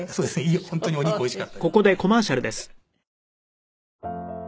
本当にお肉おいしかったですね。